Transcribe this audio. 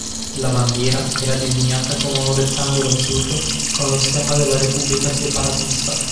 La bandiera era disegnata come un rettangolo azzurro con lo stemma della repubblica separatista.